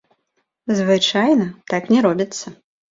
Звычайна так не робіцца.